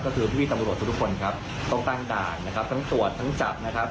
ก็คือพี่ตำรวจทุกทุกคนครับต้องตั้งด่านนะครับทั้งตรวจทั้งจับนะครับ